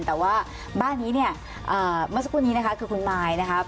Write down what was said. แต่ว่าบ้านนี้เนี่ยเมื่อสักครู่นี้นะคะคือคุณมายนะครับ